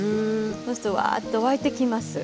そうするとワーッと沸いてきます。